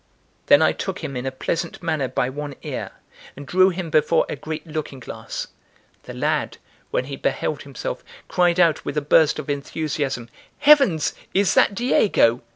Then I took him in a pleasant manner by one ear, and drew him before a great looking glass. The lad, when he beheld himself, cried out with a burst of enthusiasm: "Heavens! is that Diego?"